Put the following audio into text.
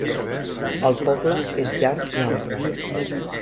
El poble és llarg i ample.